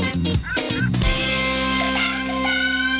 แต่มันไม่มีไงแม่